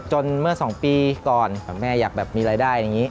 เมื่อ๒ปีก่อนแม่อยากแบบมีรายได้อย่างนี้